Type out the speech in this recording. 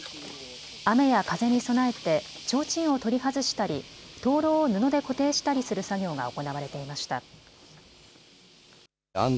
雨や風に備えてちょうちんを取り外したり灯籠を布で固定したりする作業が行われていました。